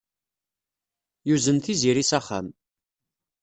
Yuzen Tiziri s axxam.